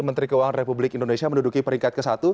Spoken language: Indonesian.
menteri keuangan republik indonesia menduduki peringkat ke satu